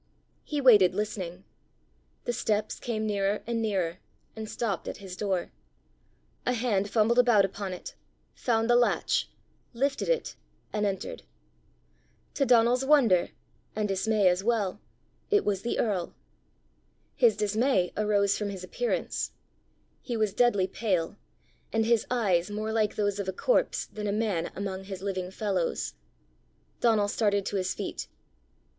He waited listening. The steps came nearer and nearer, and stopped at his door. A hand fumbled about upon it, found the latch, lifted it, and entered. To Donal's wonder and dismay as well, it was the earl. His dismay arose from his appearance: he was deadly pale, and his eyes more like those of a corpse than a man among his living fellows. Donal started to his feet.